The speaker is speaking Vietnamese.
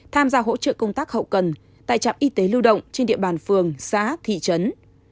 tham gia hỗ trợ công tác hậu cần tại trạm y tế lưu động trên địa bàn phường xã thị trấn